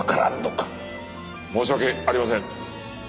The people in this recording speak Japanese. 申し訳ありません。